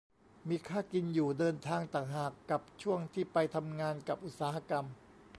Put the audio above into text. มีค่ากินอยู่เดินทางต่างหาก กับช่วงที่ไปทำงานกับอุตสาหกรรม